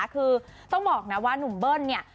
คือต้องบอกนะว่านุ่มเบิ้ลเนี่ย